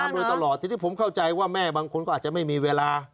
ต้องติดตามตลอดที่ที่ผมเข้าใจว่าแม่บางคนก็อาจจะไม่มีเวลา